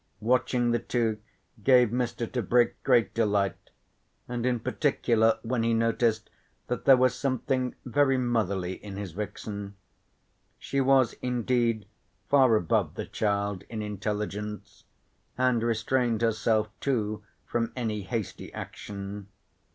Watching the two gave Mr. Tebrick great delight, and in particular when he noticed that there was something very motherly in his vixen. She was indeed far above the child in intelligence and restrained herself too from any hasty action.